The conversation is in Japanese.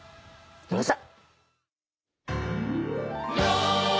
どうぞ。